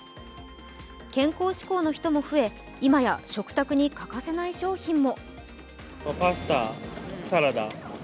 健康志向の人も増え今や食卓に欠かせない商品も。